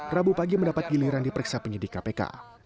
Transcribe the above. rabu pagi mendapat giliran diperiksa penyidik kpk